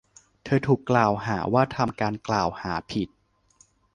เธอถูกกล่าวหาว่าทำการกล่าวหาผิด